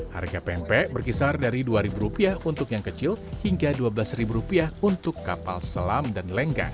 harga pempek berkisar dari dua rupiah untuk yang kecil hingga dua belas rupiah untuk kapal selam dan lenggang